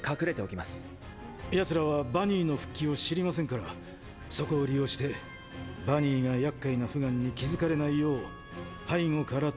奴らはバニーの復帰を知りませんからそこを利用してバニーが厄介なフガンに気付かれないよう背後から取り押さえる。